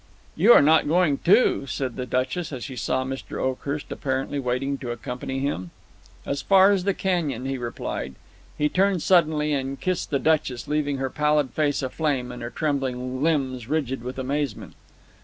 "You are not going, too?" said the Duchess as she saw Mr. Oakhurst apparently waiting to accompany him. "As far as the canyon," he replied. He turned suddenly, and kissed the Duchess, leaving her pallid face aflame and her trembling limbs rigid with amazement.